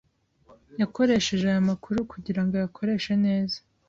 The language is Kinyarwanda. Yakoresheje aya makuru kugirango ayakoreshe neza.